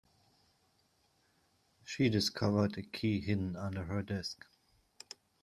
She discovered a key hidden under her desk.